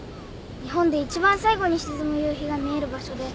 日本でいちばん最後に沈む夕日が見える場所で。